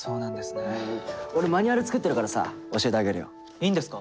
いいんですか？